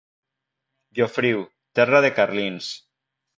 Llofriu, terra de carlins.